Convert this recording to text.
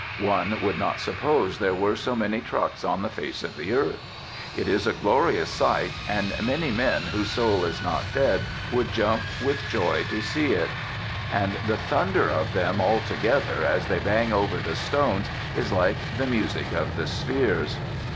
One would not suppose there were so many trucks on the face of the earth. It is a glorious sight, and any man whose soul is not dead should jump with joy to see it. And the thunder of them altogether as they bang over the stones is like the music of the spheres.